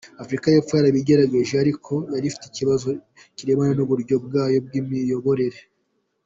Afurika y’Epfo yarabigerageje, ariko yari ifite ikibazo kirebana n’uburyo bwayo bw’imiyoborere.